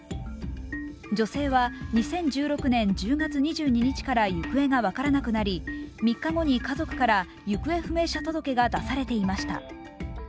女性は２０１６年１０月２２日から行方が分からなくなり、３日後に家族から行方不明届が出されていました。